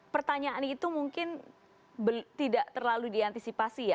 pertanyaan itu mungkin tidak terlalu diantisipasi ya